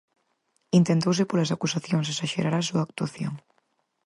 Intentouse polas acusacións esaxerar a súa actuación.